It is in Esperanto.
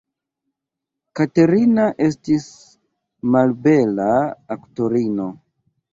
Katerina estis malbela aktorino.